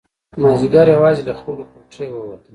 مازیګر یوازې له خپلې کوټې ووتم.